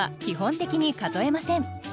基本的に数えません。